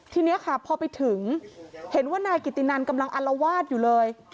ทีนี้ค่ะพอไปถึงเห็นว่านายกิตินันกำลังอัลวาดอยู่เลย